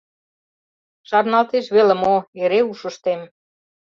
Шарналтеш веле мо — эре ушыштем.